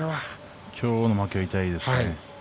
きょうの１敗は痛いですね。